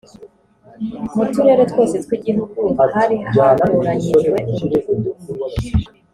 mu turere twose tw igihugu hari hatoranyijwe umudugudu umwe